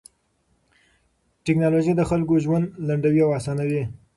ټکنالوژي د خلکو ژوند لنډوي او اسانوي.